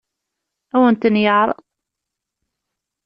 Ad awen-ten-yeɛṛeḍ?